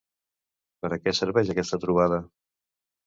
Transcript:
Per a què serveix aquesta trobada?